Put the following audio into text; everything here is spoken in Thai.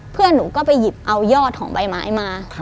เพื่อนหนูก็ไปหยิบเอายอดของใบไม้มา